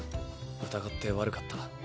疑って悪かった。